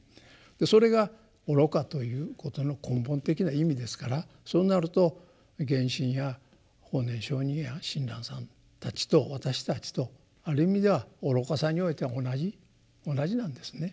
それが愚かということの根本的な意味ですからそうなると源信や法然上人や親鸞さんたちと私たちとある意味では愚かさにおいては同じ同じなんですね。